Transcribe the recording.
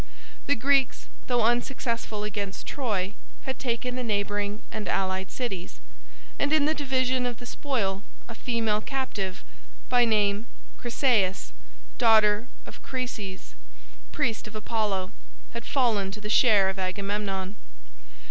The Greeks, though unsuccessful against Troy, had taken the neighboring and allied cities, and in the division of the spoil a female captive, by name Chryseis, daughter of Chryses, priest of Apollo, had fallen to the share of Agamemnon.